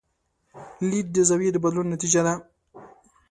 لید د زاویې د بدلون نتیجه ده.